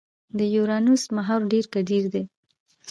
د یورانوس محور ډېر کډېر دی.